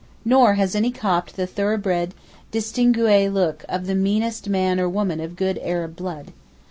Nor has any Copt the thoroughbred, distingué look of the meanest man or woman of good Arab blood.